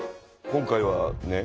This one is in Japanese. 今回はね